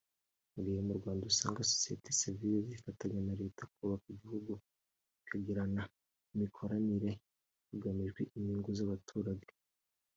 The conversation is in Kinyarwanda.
Mu gihe mu Rwanda usanga Sosiyete sivile zifatanya na leta kubaka igihugu bikagirana imikoranire hagamijwe inyungu z’abaturage